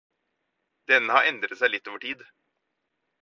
Denne har endret seg litt over tid.